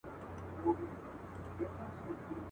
په يوه تاخته يې پى كړله مزلونه.